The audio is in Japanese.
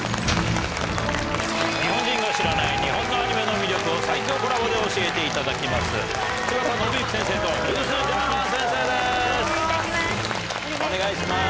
日本人の知らない日本のアニメの魅力を最強コラボで教えていただきます。